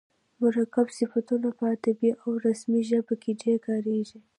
مرکب صفتونه په ادبي او رسمي ژبه کښي ډېر کاریږي.